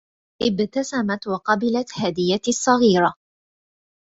ابتسمت وقبلت هديتي الصغيرة.